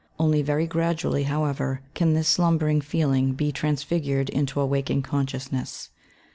Only very gradually, however, can this slumbering feeling be transfigured into a waking consciousness.